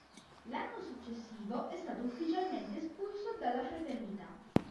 L'anno successivo è stato ufficialmente espulso dalla Fraternità.